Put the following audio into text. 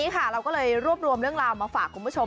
เราก็เลยรวบรวมเรื่องราวมาฝากคุณผู้ชม